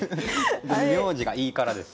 名字が「い」からです。